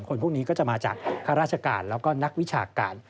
คนพวกนี้ก็จะมาจากข้าราชการแล้วก็นักวิชาการ